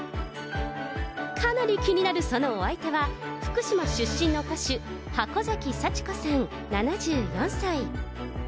かなり気になるそのお相手は、福島出身の歌手、箱崎幸子さん７４歳。